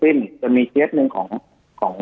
จนถึงปัจจุบันมีการมารายงานตัว